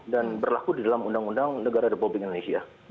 dan berlaku di dalam undang undang negara depopuling indonesia